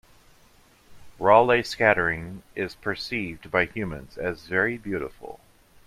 Raleigh scattering is perceived by humans as very beautiful.